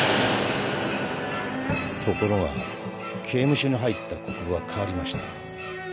ところが刑務所に入った国府は変わりました。